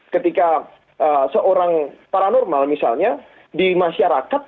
ketika seorang paranormal misalnya di masyarakat